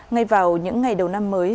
ngay vào những ngày đầu năm mới